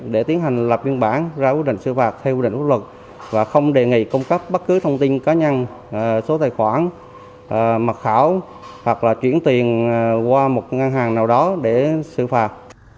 để tiến hành lập biên bản ra quyết định xử phạt theo quy định của luật và không đề nghị cung cấp bất cứ thông tin cá nhân số tài khoản mật khảo hoặc là chuyển tiền qua một ngân hàng nào đó để xử phạt